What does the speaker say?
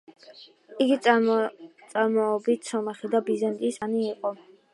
იგი წარმოშობით სომეხი და ბიზანტიის ფლოტის გემის კაპიტანი იყო.